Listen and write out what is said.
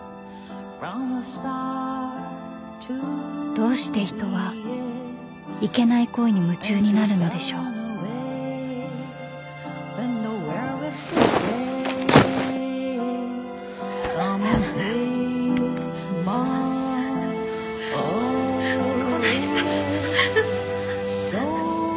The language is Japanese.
［どうして人はいけない恋に夢中になるのでしょう？］来ないで。